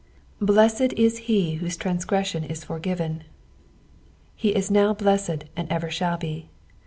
" Ble$*ed is lie tthote trangreuion it for giten." He is now blessed and ever shall be.